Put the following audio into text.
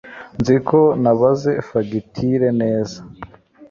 Nzi ko nabaze fagitire neza